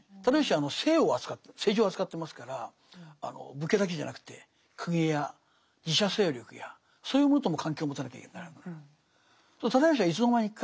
直義は政治を扱ってますから武家だけじゃなくて公家や寺社勢力やそういうものとも関係を持たなきゃいけない。